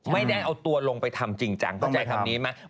ไม่ได้เอาตัวลงไปทำจริงจังเข้าใจคำนี้ไหม